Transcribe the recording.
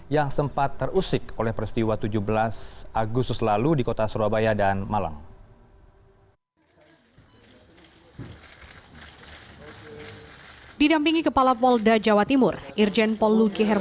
yang sempat terusik oleh peristiwa tujuh belas agustus lalu di kota surabaya dan malang